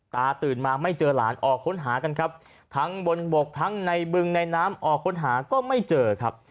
ตื่นมาไม่เจอหลานออกค้นหากันครับทั้งบนบกทั้งในบึงในน้ำออกค้นหาก็ไม่เจอครับ